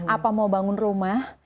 apa mau bangun rumah